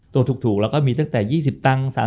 ส่วนที่ถูกเราก็มีจาก๒๐ตังค์